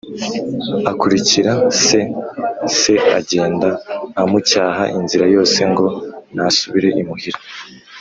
akurikira se, se agenda amucyaha inzira yose ngo nasubire imuhira;